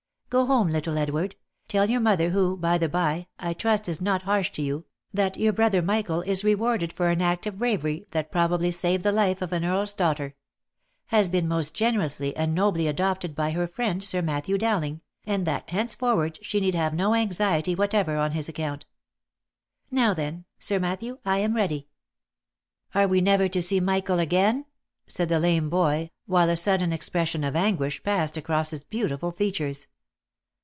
" Go home, little Edward — tell your mother, who, by the by, I trust is not harsh to you, that your brother Michael is rewarded for an act of bravery that probably saved the life of an earl's daughter — has been most generously and nobly adopted by her friend Sir Matthew Dowling, and that henceforward she need have no anxiety whatever on his account. Now, then, Sir Matthew, I am ready." " Are we never to see Michael again ?" said the lame boy, while a sudden expression of anguish passed across his beautiful features.